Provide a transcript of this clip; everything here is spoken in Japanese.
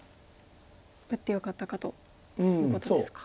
打ってよかったかということですか。